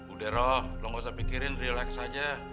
udah roh lo gak usah pikirin relax aja